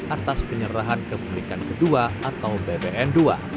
atas penyerahan kebenikan kedua atau bpn dua